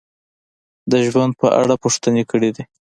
د ژوند په اړه پوښتنې کړې دي: